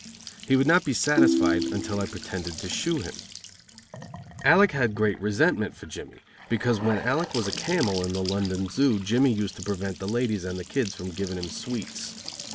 He would not be satisfied until I pretended to shoe him. Alec had great resentment for Jimmy because when Alec was a camel in the London Zoo Jimmy used to prevent the ladies and the kids from giving him sweets.